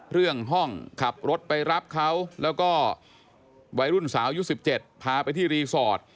เรื่องห้องขับรถไปรับเขาแล้วก็วัยรุ่นสาวยุค๑๗พาไปที่รีสอร์ท